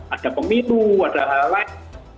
ada pemilu ada hal lain